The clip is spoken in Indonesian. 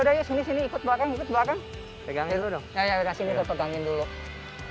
mau ikut ya mau ikut aduh ya mau ikut aduh ya